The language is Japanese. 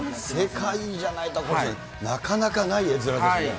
世界じゃないと、なかなかない絵面ですね。